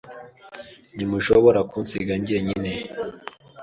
Ntimushobora kunsiga jyenyine?